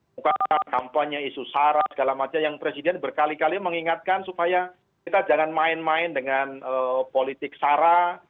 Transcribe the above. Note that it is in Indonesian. bukan kampanye isu sara segala macam yang presiden berkali kali mengingatkan supaya kita jangan main main dengan politik sara